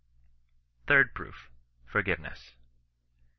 THIRD PROOF. — FORGIVENESS.